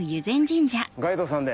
ガイドさんで？